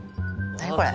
何これ？